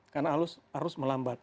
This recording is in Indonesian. karena arus melambat